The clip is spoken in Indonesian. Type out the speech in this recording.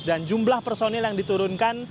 dan jumlah personil yang diturunkan